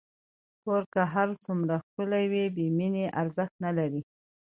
کور که هر څومره ښکلی وي، بېمینې ارزښت نه لري.